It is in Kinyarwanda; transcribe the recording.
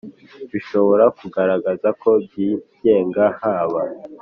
Bishobora Kugaragaza Ko Byigenga Haba